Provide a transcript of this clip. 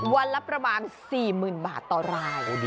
วันละประมาณ๔๐๐๐บาทต่อราย